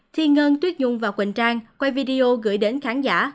thiên ngân tuyết nhung và quỳnh trang quay video gửi đến khán giả